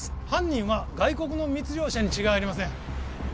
犯人は外国の密漁者に違いありません